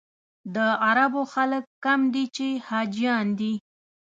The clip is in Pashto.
د عربو خلک کم دي چې حاجیان دي.